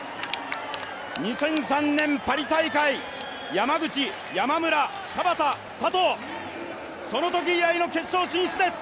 ２００３年パリ大会、山口、山村、田端、佐藤、そのとき以来の決勝進出です。